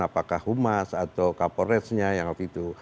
apakah humas atau kapolresnya yang waktu itu